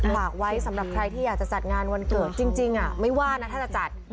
ฝากไว้สำหรับใครที่อยากจะจัดงานวันเกิดจริงไม่ว่านะถ้าจะจัด